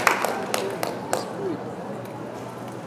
تے زَیں تس کُوری دھاؤ۔